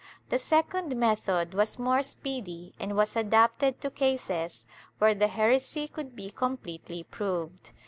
The second method was more speedy and was adapted to cases where the heresy could be completely proved.